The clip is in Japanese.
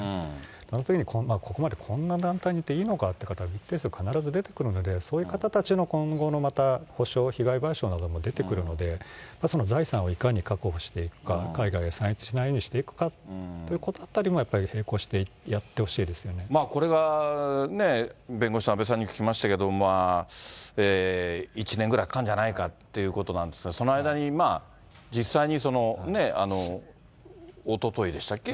あのときにここまでこんな団体にいていいのかっていうことは一定数必ず出てくるので、そういう方たちの今後の補償、被害賠償なども出てくるので、財産をいかに確保していくか、海外に散逸しないようにしていくかっていうことも並行してやってこれがね、弁護士さん、阿部さんに聞きましたけど、１年ぐらいかかるんじゃないかということなんですが、その間に、実際におとといでしたっけ？